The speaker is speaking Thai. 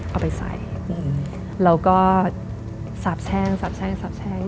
เอาไปใส่แล้วก็สาบแช่งสาบแช่งสาบแช่ง